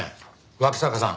脇坂さん